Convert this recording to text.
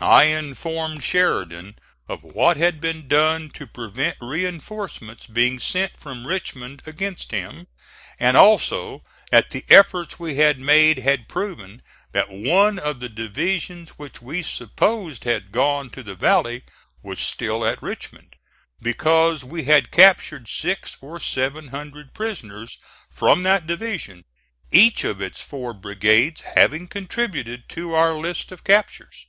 I informed Sheridan of what had been done to prevent reinforcements being sent from Richmond against him, and also that the efforts we had made had proven that one of the divisions which we supposed had gone to the valley was still at Richmond, because we had captured six or seven hundred prisoners from that division, each of its four brigades having contributed to our list of captures.